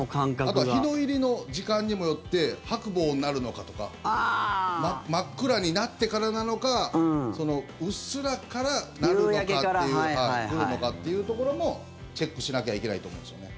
あとは日の入りの時間にもよって薄暮になるのかとか真っ暗になってからなのかうっすらからなるのかっていうところもチェックしなきゃいけないと思うんですよね。